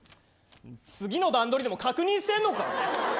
次の段取りでも確認してんのか。